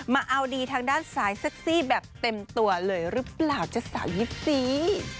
มาเอาดีทางด้านซ้ายเซ็กซี่แบบเต็มตัวเลยหรือเปล่าจ๊ะสาวยิปซี่